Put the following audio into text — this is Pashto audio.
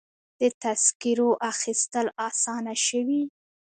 د تذکرو اخیستل اسانه شوي؟